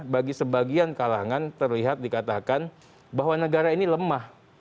bagi sebagian kalangan terlihat dikatakan bahwa negara ini lemah